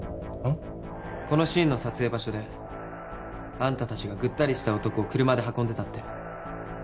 このシーンの撮影場所であんたたちがぐったりした男を車で運んでたって。